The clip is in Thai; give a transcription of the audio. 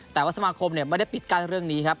แต่ว่าสมาคมไม่ได้ปิดกั้นเรื่องนี้ครับ